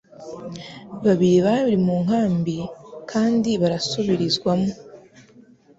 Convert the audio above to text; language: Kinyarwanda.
Babiri bari mu nkambi kandi barasubirizwamo